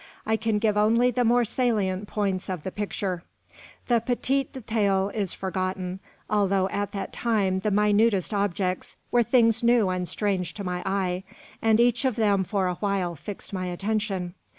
I can give only the more salient points of the picture. The petite detail is forgotten, although at that time the minutest objects were things new and strange to my eye, and each of them for a while fixed my attention.